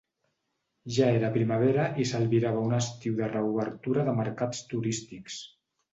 Ja era primavera i s’albirava un estiu de reobertura de mercats turístics.